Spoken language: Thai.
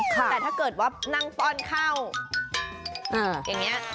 แต่ถ้าเกิดว่านั่งป้อนเข้าอย่างนี้